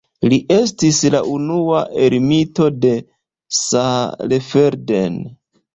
Li estis la unua ermito de Saalfelden.